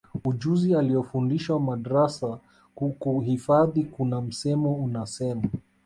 ujuzi aliyofundishwa madrasa kukuhifadhi Kuna msemo unasema